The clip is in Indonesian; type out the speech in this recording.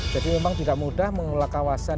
memang tidak mudah mengelola kawasan